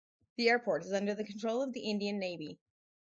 The airport is under the control of the Indian Navy.